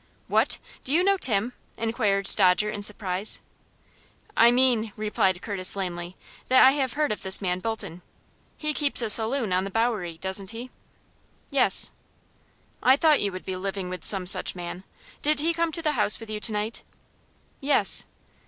"What! do you know Tim?" inquired Dodger, in surprise. "I mean," replied Curtis, lamely, "that I have heard of this man Bolton. He keeps a saloon on the Bowery, doesn't he?" "Yes." "I thought you would be living with some such man. Did he come to the house with you tonight?" "Yes."